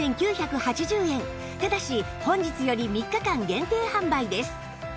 ただし本日より３日間限定販売です